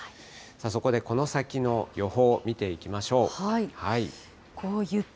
そこでこの先の予報を見ていきましょう。